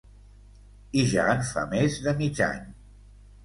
I ja en fa més de mig any.